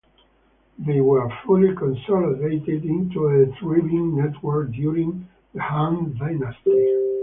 They were fully consolidated into a thriving network during the Han Dynasty.